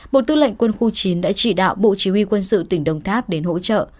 bộ tư lệnh quân khu chín đã chỉ đạo bộ chỉ huy quân sự tỉnh đồng tháp đến hỗ trợ